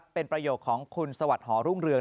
เป็นประโยคของคุณสวัสดิหอรุ่งเรือง